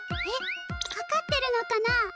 えっかかってるのかな？